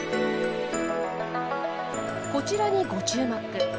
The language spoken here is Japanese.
こちらにご注目。